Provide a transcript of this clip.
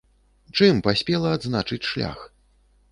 Чым паспела адзначыць шлях?